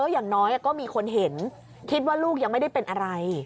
อย่างน้อยก็มีคนเห็นคิดว่าลูกยังไม่ได้เป็นอะไร